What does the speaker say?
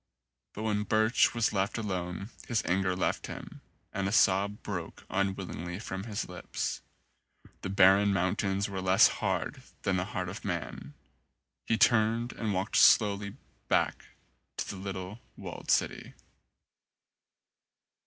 But when Birch was left alone his anger left him and a sob broke unwillingly from his lips. The barren mountains were less hard than the heart of man. He turned and walked slowly back to the little walled city.